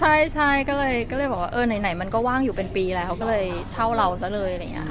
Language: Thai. ไม่ใช่ก็เลยบอกว่าไหนมันก็ว่างอยู่เป็นปีแล้วเขาก็เลยเช่าเราซะเลย